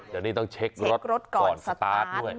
เดี๋ยวนี้ต้องเช็ครถก่อนสตาร์ทด้วย